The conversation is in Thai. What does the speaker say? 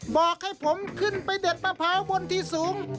บอกให้ผมขึ้นไปเด็ดมะพร้าวบนที่สูง